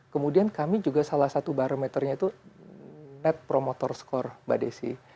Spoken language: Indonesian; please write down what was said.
kemudian kami juga salah satu barometernya itu net promotor skor mbak desi